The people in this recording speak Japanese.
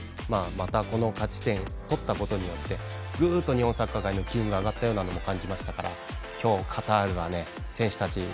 また、この勝ち点を取ったことによってぐーっと、日本サッカー界の機運が上がったような感じましたから今日、カタールは選手たち